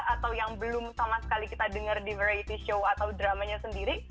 atau yang belum sama sekali kita dengar di verity show atau dramanya sendiri